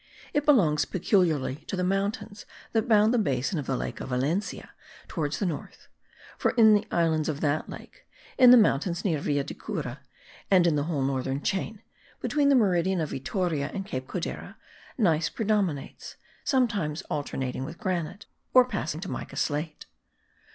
It belongs peculiarly to the mountains that bound the basin of the lake of Valencia towards the north; for in the islands of that lake, in the mountains near the Villa de Cura, and in the whole northern chain, between the meridian of Vittoria and Cape Codera, gneiss predominates, sometimes alternating with granite, or passing to mica slate.